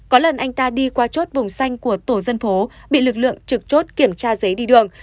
có lần anh ta đi qua chốt vùng xanh của tổ dân phố bị lực lượng trực chốt kiểm tra giấy đi đường